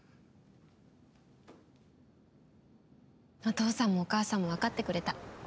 お父さんもお母さんもわかってくれた。